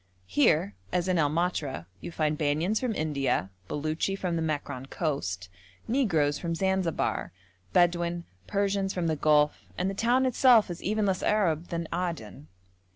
Here, as in El Matra, you find Banyans from India, Beluchi from the Mekran coast, negroes from Zanzibar, Bedouin, Persians from the Gulf, and the town itself is even less Arab than Aden.